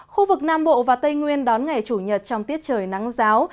khu vực nam bộ và tây nguyên đón ngày chủ nhật trong tiết trời nắng giáo